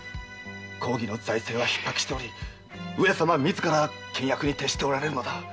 公儀の財政は逼迫しており上様自ら倹約に徹しておられる。